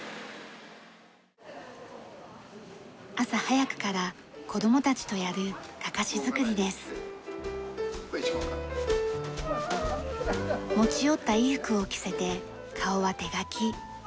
朝早くから子供たちとやる持ち寄った衣服を着せて顔は手描き。